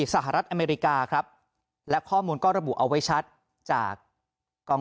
สหรัฐอเมริกาครับและข้อมูลก็ระบุเอาไว้ชัดจากกอง